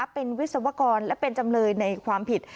เป็นวิศวกรและเป็นจำเลยในความผิด